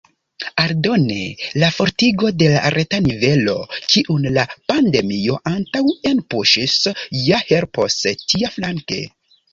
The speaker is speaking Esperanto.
Aldone, la fortigo de la reta nivelo, kiun la pandemio antaŭenpuŝis, ja helpos tiaflanke.